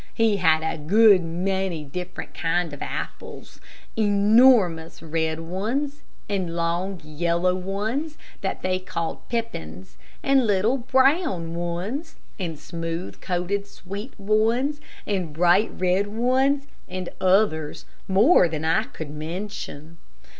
He had a good many different kind of apples. Enormous red ones, and long, yellow ones that they called pippins, and little brown ones, and smooth coated sweet ones, and bright red ones, and others, more than I could mention.